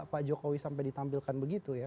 pak jokowi sampai ditampilkan begitu ya